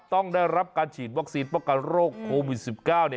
ต้องได้รับการฉีดวัคซีนป้องกันโรคโควิด๑๙